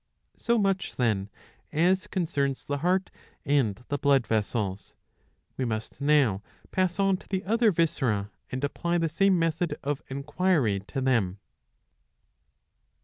So much, then, as concerns the heart and the blood vessels. We must now pass on to the other viscera and apply the same method of enquiry to them.